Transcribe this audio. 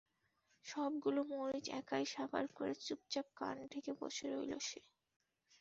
সবগুলো মরিচ একাই সাবাড় করে চুপচাপ কান ঢেকে বসে রইল সে।